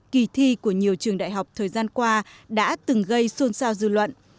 kỳ thi của nhiều trường đại học thời gian qua đã từng gây xôn xao dư luận